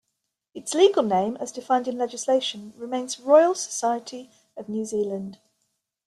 Its legal name, as defined in legislation, remains Royal Society of New Zealand.